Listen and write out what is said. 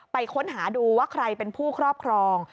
ค้นหาดูว่าใครเป็นผู้ครอบครอง